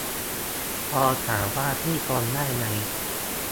พอถามว่าพี่ทนได้ไง